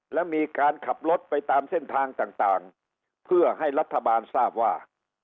และมีการขับรถไปตามเส้นทางต่างเพื่อให้รัฐบาลทราบว่า